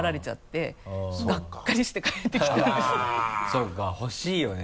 そうか欲しいよね